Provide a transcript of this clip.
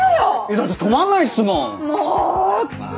だって止まんないっすもん！